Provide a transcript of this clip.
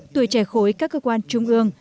tuổi trẻ khối các cơ quan trung ương